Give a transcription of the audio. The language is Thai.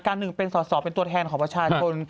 หนึ่งเป็นสอสอเป็นตัวแทนของประชาชน